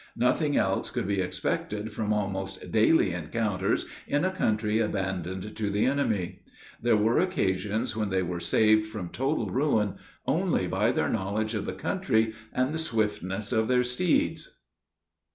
Nothing else could be expected from almost daily encounters in a country abandoned to the enemy. There were occasions when they were saved from total ruin only by their knowledge of the country and the swiftness of their steeds.